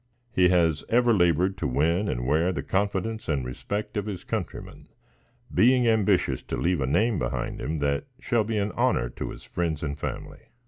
He has ever labored to win and wear the confidence and respect of his countrymen, being ambitious to leave a name behind him that shall be an honor to his friends and family.